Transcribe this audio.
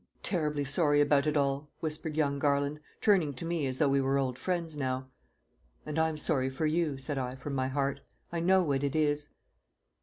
"I'm terribly sorry about it all," whispered young Garland, turning to me as though we were old friends now. "And I'm sorry for you," said I from my heart. "I know what it is."